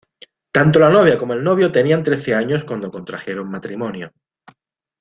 Tanto la novia como el novio tenían trece años cuando contrajeron matrimonio.